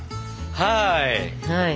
はい。